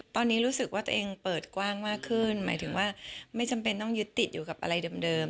ตอนนี้รู้สึกว่าตัวเองเปิดกว้างมากขึ้นหมายถึงว่าไม่จำเป็นต้องยึดติดอยู่กับอะไรเดิม